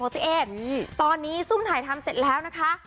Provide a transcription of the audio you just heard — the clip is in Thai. ตัวเองตอนนี้ซุ่มถ่ายทำเสร็จแล้วนะคะ